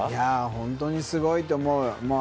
ほんとにすごいと思う。